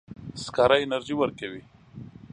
سکاره انرژي ورکوي.